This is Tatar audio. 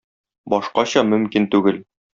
Башкача мөмкин түгел.